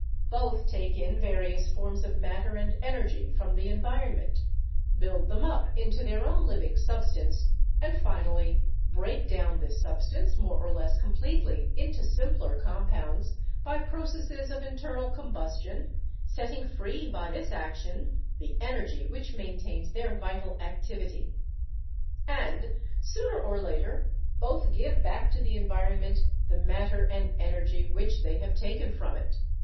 Both take in various forms of matter and energy from the environment, build them up into their own living substance, and finally break down this substance more or less completely into simpler compounds by processes of internal combustion, setting free by this action the energy which maintains their vital activity. 122 BIOLOGY And, sooner or later, both give back to the environment the matter and energy which they have taken from it.